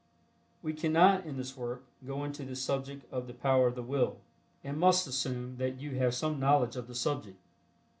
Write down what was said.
We cannot, in this work, go into the subject of the power of the Will, and must assume that you have some knowledge of the subject.